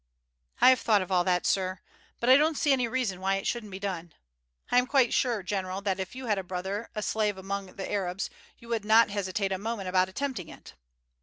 "I have thought of all that, sir; but I don't see any reason why it shouldn't be done. I am quite sure, general, that if you had a brother a slave among the Arabs you would not hesitate a moment about attempting it."